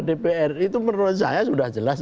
dpr itu menurut saya sudah jelas